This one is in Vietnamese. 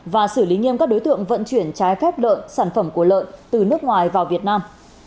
và xử lý nghiêm các đối tượng vận chuyển trái phép lợn sản phẩm của lợn từ nước ngoài vào việt nam